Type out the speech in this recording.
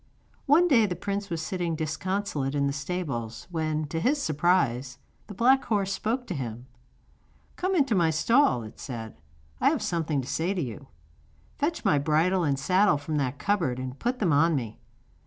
One day the prince was sitting disconsolate in the stables when, to his surprise, the black horse spoke to him. 'Come into my stall,' it said, 'I have something to say to you. Fetch my bridle and saddle from that cupboard and put them on me.